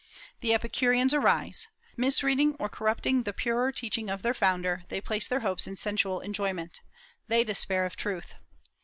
The Epicureans arise. Misreading or corrupting the purer teaching of their founder, they place their hopes in sensual enjoyment. They despair of truth.